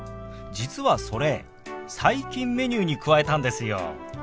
実はそれ最近メニューに加えたんですよ。